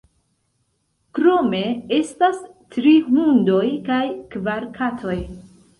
Krome estas tri hundoj kaj kvar katoj.